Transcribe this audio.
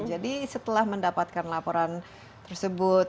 jadi setelah mendapatkan laporan tersebut